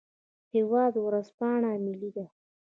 هیواد ورځپاڼه ملي ده